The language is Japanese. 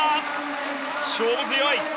勝負強い！